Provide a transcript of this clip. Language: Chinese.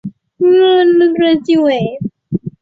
武公之子邾子夏父继位。